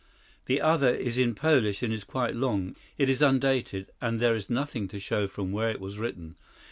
The other is in Polish and is quite long. It is undated, and there is nothing to show from where it was written.